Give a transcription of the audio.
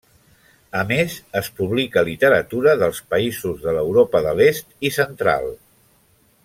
A més es publica literatura dels països de l'Europa de l'Est i Central.